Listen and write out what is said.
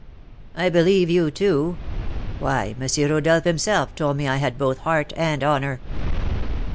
"I believe you, too. Why, M. Rodolph himself told me I had both heart and honour."